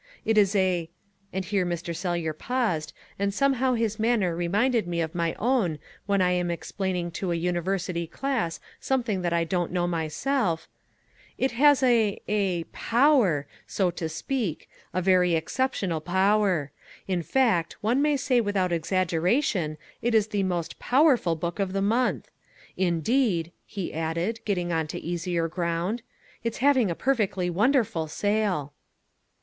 It has a " and here Mr. Sellyer paused, and somehow his manner reminded me of my own when I am explaining to a university class something that I don't know myself "It has a a POWER, so to speak a very exceptional power; in fact, one may say without exaggeration it is the most POWERFUL book of the month. Indeed," he added, getting on to easier ground, "it's having a perfectly wonderful sale."